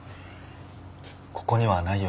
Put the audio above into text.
ここにはないよ。